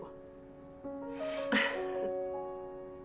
フフフフ。